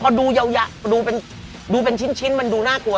พอดูยาวดูเป็นชิ้นมันดูน่ากลัว